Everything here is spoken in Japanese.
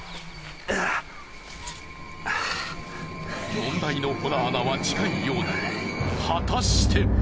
問題のほら穴は近いようだが果たして！？